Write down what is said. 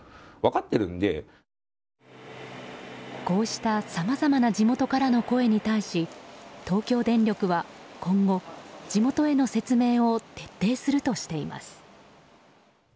こうしたさまざまな地元からの声に対し東京電力は今後、地元への説明を徹底するとしています。